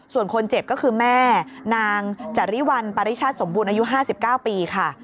ส่วนคนเจ็บก็คือแม่นางจริวัลปริชาติสมบูรณ์อายุ๕๙ปีค่ะ